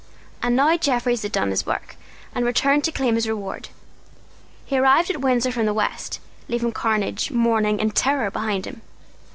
And now Jeffreys had done his work, and returned to claim his reward. He arrived at Windsor from the West, leaving carnage, mourning, and terror behind him.